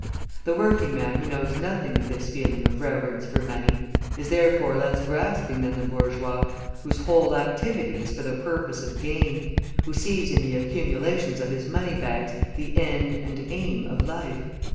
The working man who knows nothing of this feeling of reverence for money is therefore less grasping than the bourgeois, whose whole activity is for the purpose of gain, who sees in the accumulations of his money bags the end and aim of life.